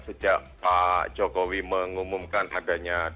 sejak pak jokowi mengumumkan adanya